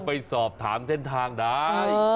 ไปสอบถามเส้นทางได้